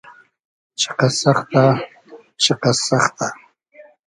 چیقئس سئختۂ ..... چیقئس سئختۂ .....